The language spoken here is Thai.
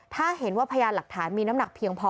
ถ้าเห็นว่าพยานหลักฐานมีน้ำหนักเพียงพอ